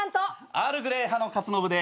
アールグレイ派の克信で。